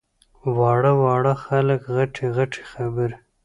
واړه واړه خلک غټې غټې خبرې!